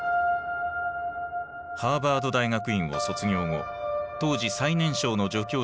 ハーバード大学院を卒業後当時最年少の助教授となった天才。